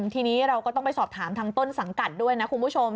ทีนี้เราก็ต้องไปสอบถามทางต้นสังกัดด้วยนะคุณผู้ชม